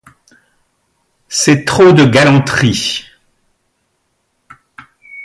C’est trop de galanterie.